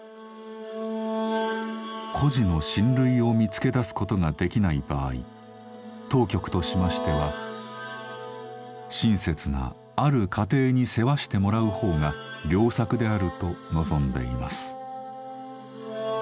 「孤児の親類を見つけ出すことが出来ない場合当局としましては親切なある家庭に世話してもらう方が良策であると望んでいます」。